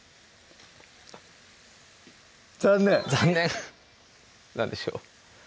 残念残念何でしょう？